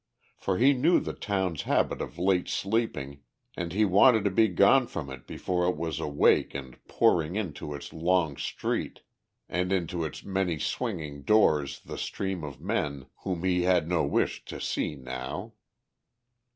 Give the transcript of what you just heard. For he knew the town's habit of late sleeping and he wanted to be gone from it before it was awake and pouring into its long street and into its many swinging doors the stream of men whom he had no wish to see now.